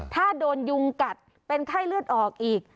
ถ้าโดนยุงกัดเป็นไข้เลือดออกอีก